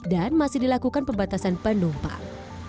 dan masih dilakukan pembatasan penumpang